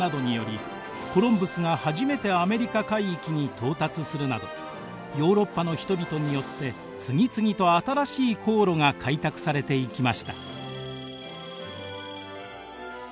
コロンブスが初めてアメリカ海域に到達するなどヨーロッパの人々によって次々と新しい航路が開拓されていきました。